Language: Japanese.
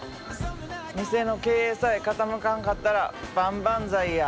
店の経営さえ傾かんかったら万々歳や。